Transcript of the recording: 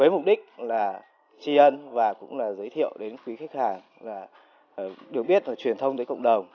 với mục đích là tri ân và cũng là giới thiệu đến quý khách hàng là được biết và truyền thông tới cộng đồng